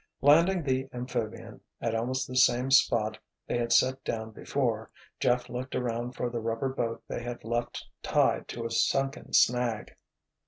Landing the amphibian, at almost the same spot they had set down before, Jeff looked around for the rubber boat they had left tied to a sunken snag.